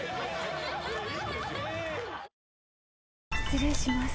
失礼します。